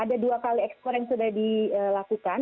ada dua kali ekspor yang sudah dilakukan